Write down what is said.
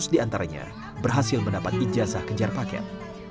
dua ratus di antaranya berhasil mendapat ijazah kejar paket